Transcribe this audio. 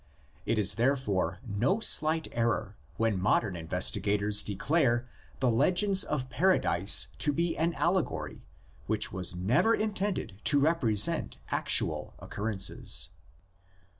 It is therefore no slight error when modern investi gators declare the legend of Paradise to be an allegory which was never intended to represent actual occurrences.